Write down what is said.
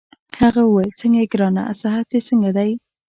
هغه وویل: څنګه يې ګرانه؟ صحت دي څنګه دی؟